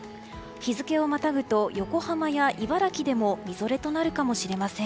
日付をまたぐと横浜や茨城でもみぞれとなるかもしれません。